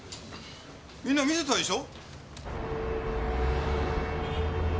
みんな見てたでしょ？